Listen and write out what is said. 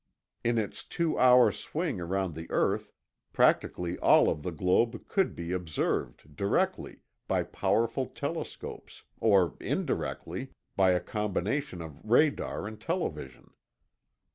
In its two hour swing around the earth, practically all of the globe could be observed directly, by powerful telescopes, or indirectly, by a combination of radar and television.